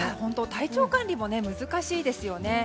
体調管理も難しいですよね。